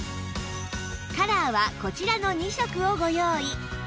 カラーはこちらの２色をご用意